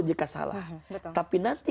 jika salah tapi nanti